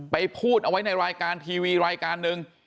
พูดเอาไว้ในรายการทีวีรายการหนึ่ง